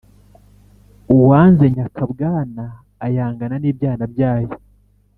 Uwanze nyakabwana ayangana n’ibyana byayo.